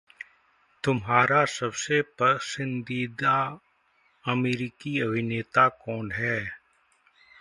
तुम्हारा सबसे पसंदीदा अमरीकी अभिनेता कौन है?